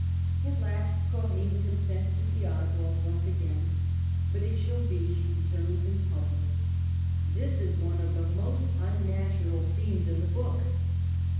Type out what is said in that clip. At last Corinne consents to see Oswald once again, but it shall be, she determines, in public. This is one of the most unnatural scenes in the book.